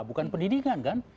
bukan pendidikan kan